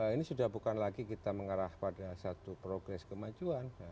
ini sudah bukan lagi kita mengarah pada satu progres kemajuan